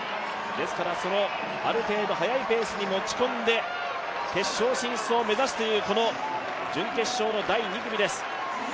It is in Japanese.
ある程度速いペースに持ち込んで決勝進出を目指すというこの準決勝の第２組です。